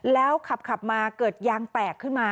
แล้วขับมาเกิดยางแตกขึ้นมา